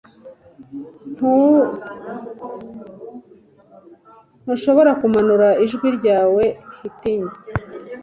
Ntuhobora kumanura ijwi ryawe hitingi